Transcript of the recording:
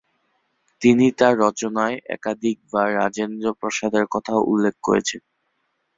তিনি তার রচনায় একাধিকবার রাজেন্দ্র প্রসাদের কথা উল্লেখ করেছেন।